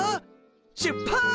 しゅっぱつ！